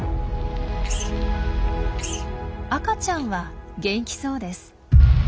赤ちゃんは元気そうです。